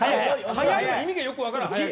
早いの意味がよく分からない。